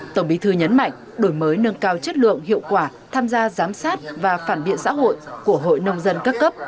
tổng bí thư nhấn mạnh đổi mới nâng cao chất lượng hiệu quả tham gia giám sát và phản biện xã hội của hội nông dân các cấp